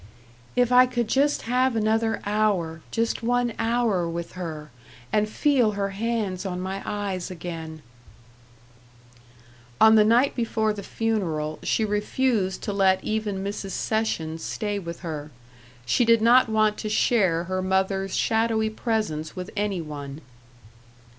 "If I could just have another hour, just one hour with her, and feel her hands on my eyes again " On the night before the funeral she refused to let even Mrs. Sessions stay with her. She did not want to share her mother's shadowy presence with any one.